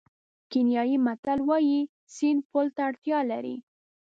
کینیايي متل وایي سیند پل ته اړتیا لري.